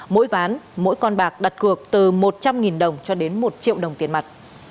mỗi ván mỗi con bạc đặt cược từ một trăm linh đồng cho đến một triệu đồng tiền mặt